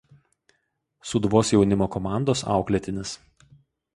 Sūduvos jaunimo komandos auklėtinis.